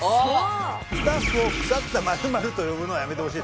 スタッフを「腐った○○」と呼ぶのはやめてほしい。